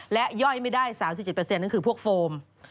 และย่อยไม่ได้๓๗เปอร์เซ็นต์นั่นคือพวกโฟม